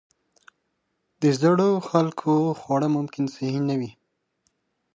د زړو خلکو خواړه ممکن صحي نه وي.